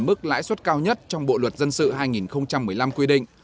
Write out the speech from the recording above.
mức lãi suất cao nhất trong bộ luật dân sự hai nghìn một mươi năm quy định